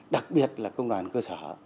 đặc biệt là công đoàn cơ sở